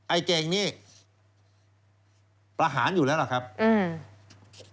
ไอเก่งนี่ประหารอยู่แล้วล่ะครับอืม